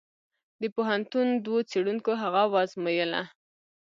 د پوهنتون دوو څېړونکو هغه وزمویله.